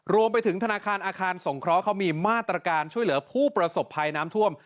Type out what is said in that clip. รวมไปถึงธนาคารอาคารสงเคราะห์เขามีมาตรการช่วยเหลือผู้ประสบภัยน้ำท่วม